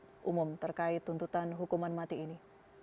untuk umum terkait tuntutan hukuman mati ini